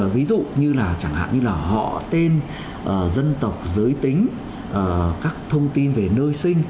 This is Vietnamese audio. ví dụ như là họ tên dân tộc giới tính các thông tin về nơi sinh